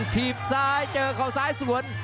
ถีบซ้ายเจอเขาซ้ายสวน